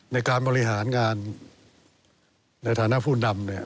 ในการบริหารงานในฐานะผู้นำเนี่ย